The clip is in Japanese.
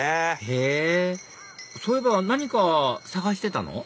へぇそういえば何か探してたの？